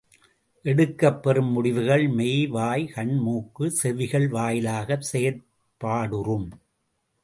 எடுக்கப்பெறும் முடிவுகள் மெய், வாய், கண், மூக்கு, செவிகள் வாயிலாகச் செயற்பாடுறும்.